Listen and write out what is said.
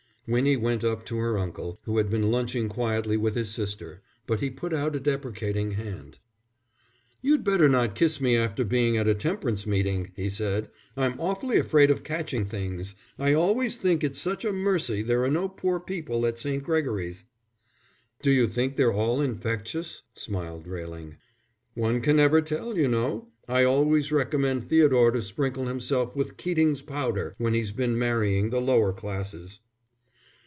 Winnie went up to her uncle, who had been lunching quietly with his sister, but he put out a deprecating hand. "You'd better not kiss me after being at a temperance meeting," he said. "I'm awfully afraid of catchin' things. I always think it's such a mercy there are no poor people at St. Gregory's." "D'you think they're all infectious?" smiled Railing. "One can never tell, you know. I always recommend Theodore to sprinkle himself with Keating's Powder when he's been marrying the lower classes."